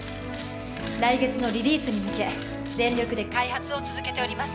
来月のリリースに向け全力で開発を続けております